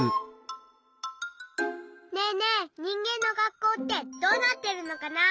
ねえねえにんげんの学校ってどうなってるのかな？